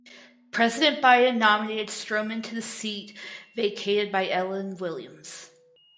President Biden nominated Stroman to the seat vacated by Ellen Williams.